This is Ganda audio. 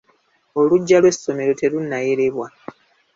Olujja lw'essommero te lunnayerebwa.